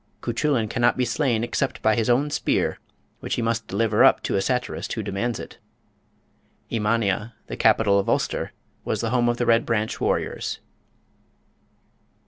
Cuchullin cannot be slain except by his own spear, which he must deliver up to a satirist who demands it. Emania, the capital of Ulster, was the home of the Bed Branch warriors.